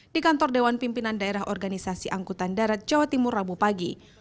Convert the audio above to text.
di kantor dewan pimpinan daerah organisasi angkutan darat jawa timur rabu pagi